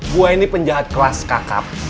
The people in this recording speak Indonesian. gua ini penjahat kelas kakap